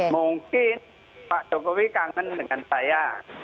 mungkin pak jokowi kangen dengan saya